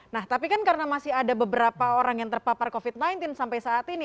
nah tapi kan karena masih ada beberapa orang yang terpapar covid sembilan belas sampai saat ini